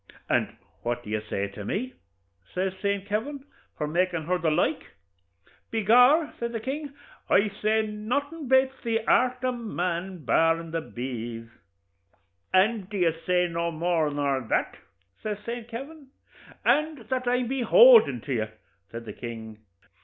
'And what do you say to me,' says Saint Kavin, 'for makin' her the like?' 'By gor,' says the king, 'I say nothin' bates the art o' man, barrin' the bees.' 'And do you say no more nor that?' says Saint Kavin. 'And that I'm behoulden to you,' says the king.